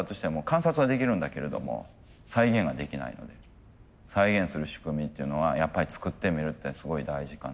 観察はできるんだけれども再現はできないので再現する仕組みっていうのはやっぱり作ってみるってすごい大事かなっていう気はしてます。